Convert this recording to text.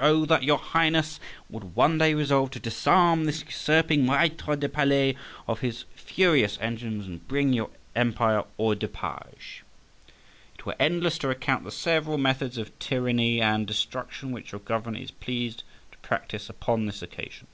Oh, that your Highness would one day resolve to disarm this usurping maître de palais of his furious engines, and bring your empire hors du page. It were endless to recount the several methods of tyranny and destruction which your governor is pleased to practise upon this occasion.